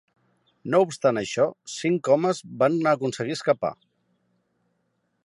No obstant això, cinc homes van aconseguir escapar.